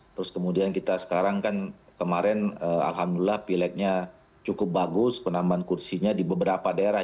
terus kemudian kita sekarang kan kemarin alhamdulillah pileknya cukup bagus penambahan kursinya di beberapa daerah